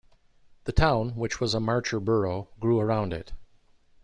The town, which was a Marcher Borough, grew around it.